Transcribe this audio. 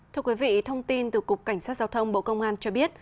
thưa quý vị thông tin từ cục cảnh sát giao thông bộ công an cho biết